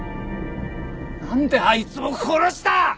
なんであいつを殺した！